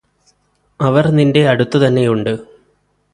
അവര് നിന്റെ അടുത്തുതന്നെയുണ്ട്